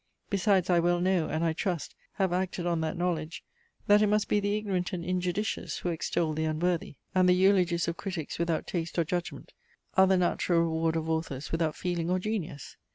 Besides I well know, and, I trust, have acted on that knowledge, that it must be the ignorant and injudicious who extol the unworthy; and the eulogies of critics without taste or judgment are the natural reward of authors without feeling or genius.